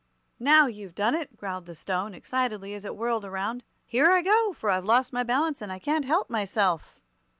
"Now you've done it!" growled the Stone, excitedly, as it whirled around. "Here I go, for I've lost my balance and I can't help myself!"